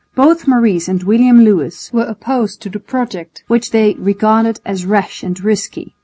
Both Maurice and William Lewis were opposed to the project, which they regarded as rash and risky.